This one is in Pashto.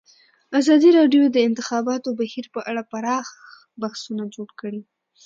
ازادي راډیو د د انتخاباتو بهیر په اړه پراخ بحثونه جوړ کړي.